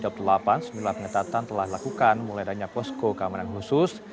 sembilan pengetatan telah dilakukan mulai adanya posko keamanan khusus